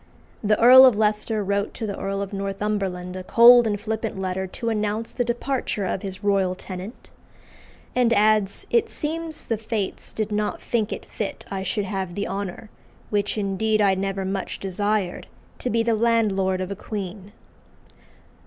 The Earl of Leicester wrote to the Earl of Northumberland a cold and flippant letter to announce the departure of "his royal tenant;" and adds, "It seems the Fates did not think it fit I should have the honour, which indeed I never much desired, to be the landlord of a queen."